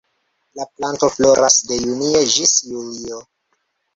La planto floras de junio ĝis julio.